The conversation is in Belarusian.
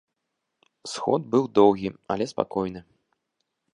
Сход быў доўгі, але спакойны.